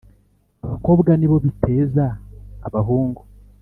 abakobwa nibo biteza abahungu